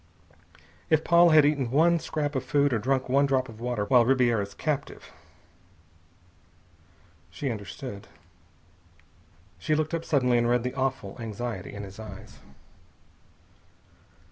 If Paula had eaten one scrap of food or drunk one drop of water while Ribiera's captive.... She understood. She looked up suddenly, and read the awful anxiety in his eyes.